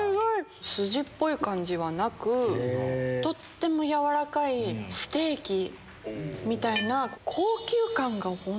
筋っぽい感じはなく、とっても軟らかいステーキみたいな。